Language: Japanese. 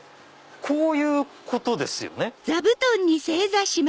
こういうことですよねきっと。